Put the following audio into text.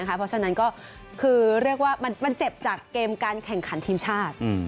เพราะฉะนั้นก็คือเรียกว่ามันเจ็บจากเกมการแข่งขันทีมชาติ